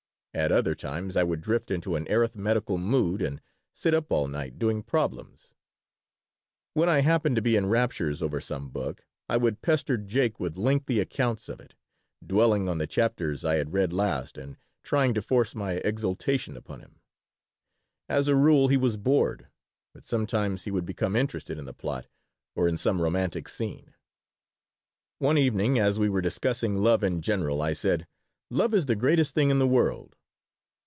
At other times I would drift into an arithmetical mood and sit up all night doing problems When I happened to be in raptures over some book I would pester Jake with lengthy accounts of it, dwelling on the chapters I had read last and trying to force my exaltation upon him. As a rule, he was bored, but sometimes he would become interested in the plot or in some romantic scene. One evening, as we were discussing love in general, I said: "Love is the greatest thing in the world."